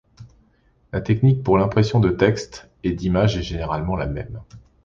La technique pour l'impression de textes et d'images est généralement la même.